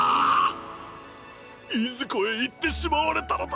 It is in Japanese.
いずこへ行ってしまわれたのだ。